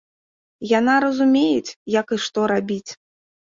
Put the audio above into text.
Яна разумеюць, як і што рабіць.